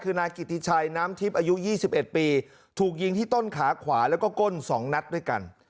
คือนายกิติชัยน้ำทิพย์อายุ๒๑ปีถูกยิงที่ต้นขาขวาแล้วก็ก้น๒นัดด้วยกัน